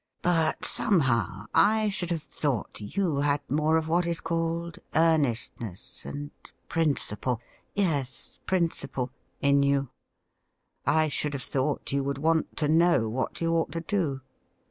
But, somehow, I should have thought you had more of what is called earnest ness and principle — ^yes, principle — in you. I should have thought you would want to know what you ought to do.'